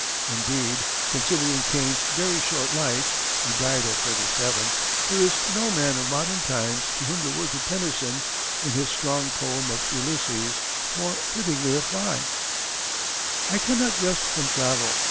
Indeed, considering Kane's very short life (he died at thirty seven), there is no man of modern times to whom the words of Tennyson, in his strong poem of Ulysses, more fittingly apply: "I cannot rest from travel